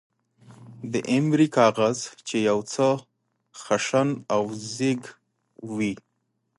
د ایمرۍ کاغذ، چې یو څه خشن او زېږ وي.